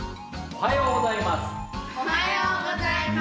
おはようございます。